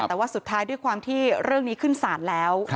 แต่ว่าสุดท้ายด้วยความที่เรื่องนี้ขึ้นศาลแล้ว